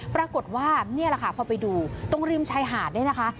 ปรากฏว่านี่แหละค่ะพอไปดูตรงริมชายหาดเนี่ยนะคะ